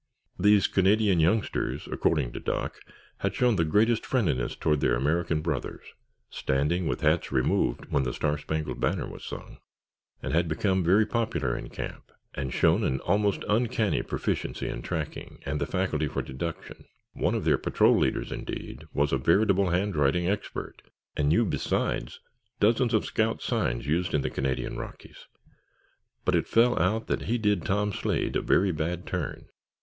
These Canadian youngsters, according to Doc, had shown the greatest friendliness toward their American brothers, standing with hats removed when the Star Spangled Banner was sung, and had become very popular in camp, and shown an almost uncanny proficiency in tracking and the faculty for deduction. One of their patrol leaders, indeed, was a veritable hand writing expert, and knew besides dozens of scout signs used in the Canadian Rockies. But it fell out that he did Tom Slade a very bad turn.